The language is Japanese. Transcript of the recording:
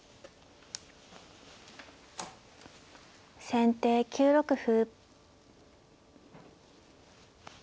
先手９六歩。